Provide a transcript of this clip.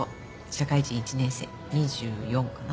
社会人１年生２４かな？